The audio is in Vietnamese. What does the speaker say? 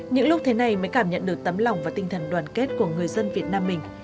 những lúc thế này mới cảm nhận được tấm lòng và tinh thần đoàn kết của người dân việt nam mình